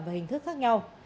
và hình thức khác nhau